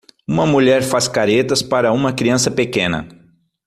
Uma mulher faz caretas para uma criança pequena.